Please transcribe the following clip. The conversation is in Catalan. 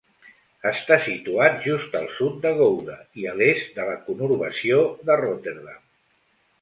Està situat just al sud de Gouda i a l'est de la conurbació de Rotterdam.